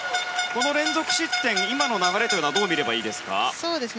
連続失点、今の流れはどう見ればいいですか？